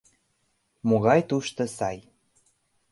— Могай тушто сай!